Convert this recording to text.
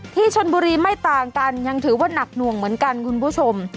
ที่ชนบุรีไม่ต่างกันยังถือว่านักหน่วงเหมือนกันคุณผู้ชม